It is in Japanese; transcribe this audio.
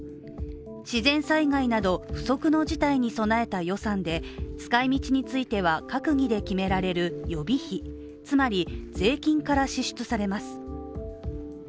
自然災害など不測の事態に備えた予算で使いみちについては閣議で決められる予備費つまり税金から支出されます。